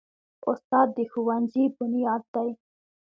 استاد د ښوونځي بنیاد دی.